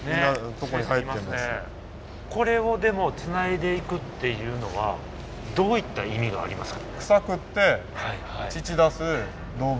これをでもつないでいくっていうのはどういった意味がありますか？